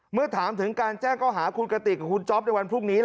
เมื่อถามถึงการแจ้งเข้าหาคุณกติกกับคุณจ๊อปในวันพรุ่งนี้